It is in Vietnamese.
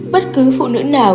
bất cứ phụ nữ nào